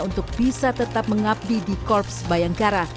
untuk bisa tetap mengabdi di korps bayangkara